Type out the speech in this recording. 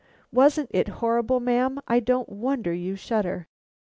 Wasn't it horrible, ma'am? I don't wonder you shudder."